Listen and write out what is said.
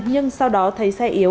nhưng sau đó thấy xe yếu